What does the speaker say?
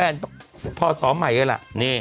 เอ้า